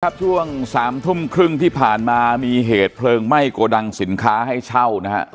ช่วง๓ทุ่มครึ่งที่ผ่านมามีเหตุเพลิงไหม้โกดังสินค้าให้เช่านะฮะ